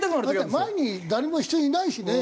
前に誰も人いないしね。